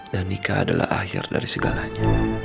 dan nikah adalah akhir dari segalanya